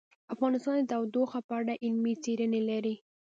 افغانستان د تودوخه په اړه علمي څېړنې لري.